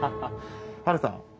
ハルさん